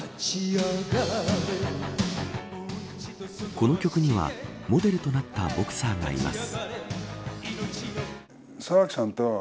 この曲にはモデルとなったボクサーがいます。